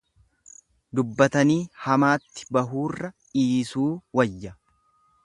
Dubbatanii hamaatti bahuurra dhiisuu wayya.